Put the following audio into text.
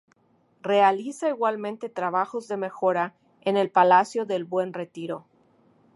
Realiza igualmente trabajos de mejora en el Palacio del Buen Retiro.